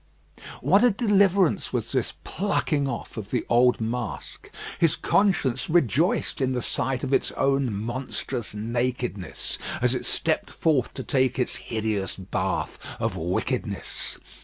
What a deliverance was this plucking off of the old mask. His conscience rejoiced in the sight of its own monstrous nakedness, as it stepped forth to take its hideous bath of wickedness.